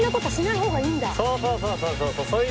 そうそうそうそう！